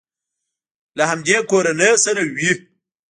له همدې کورنۍ سره وي.